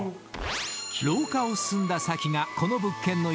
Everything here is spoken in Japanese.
［廊下を進んだ先がこの］